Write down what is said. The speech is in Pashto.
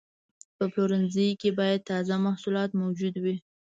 په پلورنځي کې باید تازه محصولات موجود وي.